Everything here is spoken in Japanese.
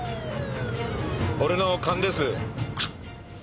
俺の勘です。か！？